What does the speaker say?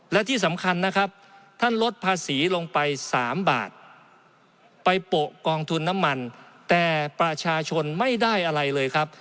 และที่สำคัญนะครับท่านลดภาษีลงไป๓บาทไปโปะกองทุนน้ำมันแต่ประชาชนไม่ได้อะไรเลยครับ